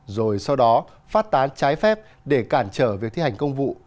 rồi sau đó phát tán trái phép để cản trở việc thi hành công vụ